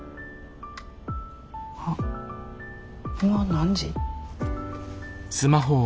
あっ今何時？